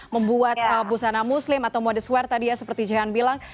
membuat busana muslim atau modest wear tadi ya seperti jahan bilang